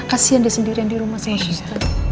kasian dia sendirian di rumah sama si sita